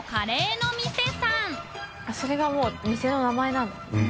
それがもう店の名前なんだ山下）